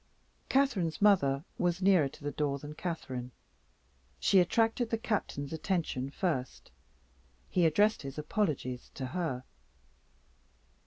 Catherine's mother was nearer to the door than Catherine; she attracted the Captain's attention first. He addressed his apologies to her.